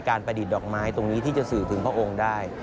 ประดิษฐ์ดอกไม้ตรงนี้ที่จะสื่อถึงพระองค์ได้